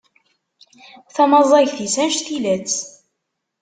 Tamaẓagt-is anect-ilatt.